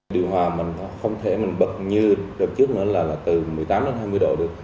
điều hòa mình không thể mình bật như đợt trước nữa là từ một mươi tám đến hai mươi độ được